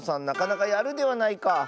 なかなかやるではないか。